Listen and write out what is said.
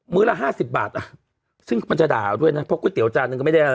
มื้อละห้าสิบบาทอ่ะซึ่งมันจะด่าด้วยน่ะเพราะก๋วยเตี๋ยวจานนึงก็ไม่ได้อ่ะ